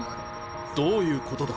どういうことだ？